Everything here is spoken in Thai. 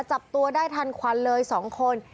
จับตัวได้ทันควันเลย๒คน